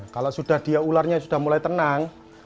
kalau sudah dia ularnya sudah mulai tenang